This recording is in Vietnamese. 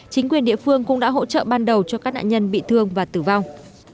chính quyền địa phương cũng đã hỗ trợ ban đầu cho các nạn nhân bị thương và tử vong